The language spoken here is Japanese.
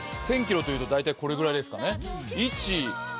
１０００ｋｍという大体これぐらいですかね。